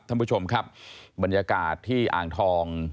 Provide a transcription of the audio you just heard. ท่านผู้ชมครับบรรยากาศที่อ่างทอง